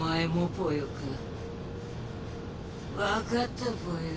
わかったぽよ。